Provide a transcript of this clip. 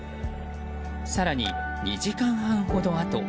更に２時間半ほどあと。